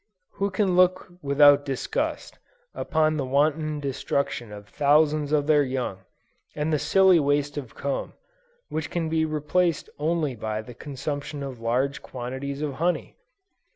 Who can look without disgust, upon the wanton destruction of thousands of their young, and the silly waste of comb, which can be replaced only by the consumption of large quantities of honey?